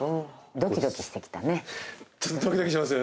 ドキドキしてきたね。